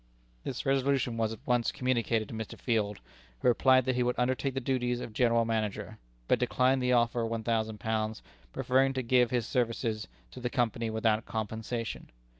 This resolution was at once communicated to Mr. Field, who replied that he would undertake the duties of General Manager, but declined the offer of £1000, preferring to give his services to the Company without compensation.